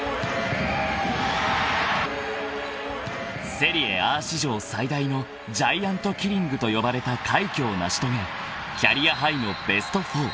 ［セリエＡ史上最大のジャイアントキリングと呼ばれた快挙を成し遂げキャリアハイのベスト４］